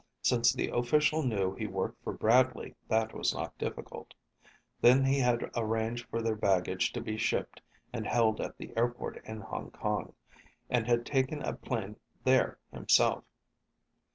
Since the official knew he worked for Bradley, that was not difficult. Then he had arranged for their baggage to be shipped and held at the airport in Hong Kong, and had taken a plane there himself.